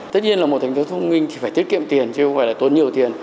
tất nhiên là một thành phố thông minh thì phải tiết kiệm tiền chứ không phải là tốn nhiều tiền